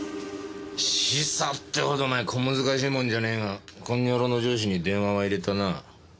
示唆ってほどお前小難しいもんじゃねえがこの野郎の上司に電話は入れたな。